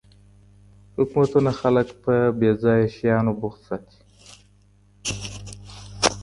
حکومتونه خلګ په بې ځایه شیانو بوخت ساتي.